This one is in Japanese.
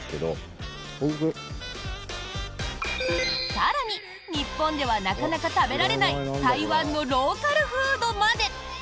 更に日本ではなかなか食べられない台湾のローカルフードまで。